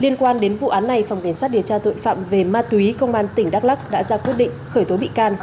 liên quan đến vụ án này phòng cảnh sát điều tra tội phạm về ma túy công an tỉnh đắk lắc đã ra quyết định khởi tố bị can